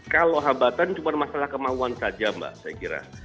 kalau hambatan cuma masalah kemauan saja mbak saya kira